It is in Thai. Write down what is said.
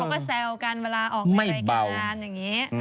เขาก็แซวกันเวลาออกรายการ